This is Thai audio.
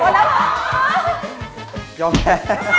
ยอมแพ้